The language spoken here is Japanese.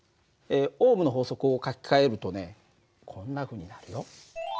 オームの法則を書き換えるとねこんなふうになるよ。